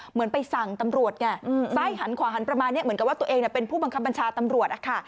เหมือนไปสั่งตำรวจไงซ้ายหันขวาหันประมาณนี้เหมือนกับว่าตัวเองเป็นผู้บังคับบัญชาตำรวจนะคะ